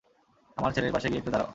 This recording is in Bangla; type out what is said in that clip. আমার ছেলের পাশে গিয়ে একটু দাঁড়াও।